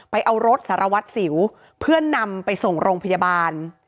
เอารถสารวัตรสิวเพื่อนำไปส่งโรงพยาบาล